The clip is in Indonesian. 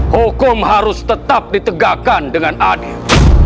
hukum harus tetap ditegakkan dengan adil